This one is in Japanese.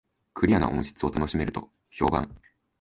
クリアな音質を楽しめると評判